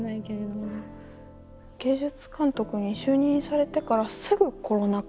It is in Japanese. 芸術監督に就任されてからすぐコロナ禍。